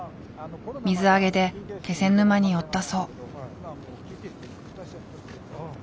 水揚げで気仙沼に寄ったそう。